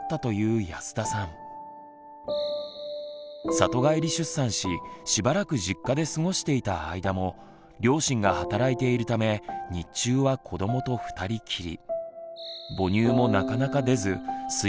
里帰り出産ししばらく実家で過ごしていた間も両親が働いているため日中は子どもと二人きり。